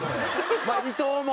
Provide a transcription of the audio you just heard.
まあ伊藤も？